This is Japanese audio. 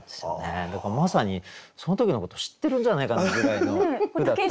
だからまさにその時のこと知ってるんじゃないかなぐらいの句だったんで。